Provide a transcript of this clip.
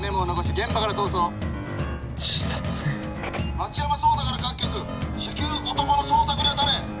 町山捜査から各局至急男の捜索に当たれ。